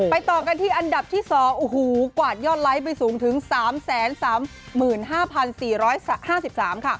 ต่อกันที่อันดับที่๒โอ้โหกวาดยอดไลค์ไปสูงถึง๓๓๕๔๕๓ค่ะ